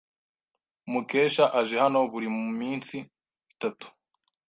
Mukesha aje hano buri minsi itatu.